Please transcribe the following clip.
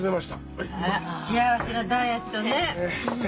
あら幸せなダイエットね。